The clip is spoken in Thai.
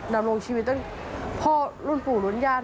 นำลงชีวิตต้นพ่อรุ่นปู่รุ่นญาติ